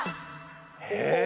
へえ！